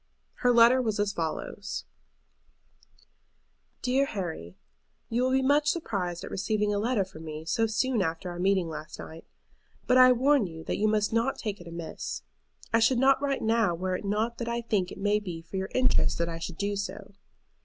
Her letter was as follows: "DEAR HARRY, You will be much surprised at receiving a letter from me so soon after our meeting last night. But I warn you that you must not take it amiss. I should not write now were it not that I think it may be for your interest that I should do so.